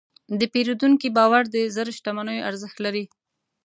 د پیرودونکي باور د زر شتمنیو ارزښت لري.